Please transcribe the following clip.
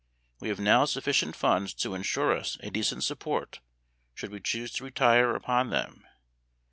We have now sufficient funds to insure us a decent support should we choose to retire upon them.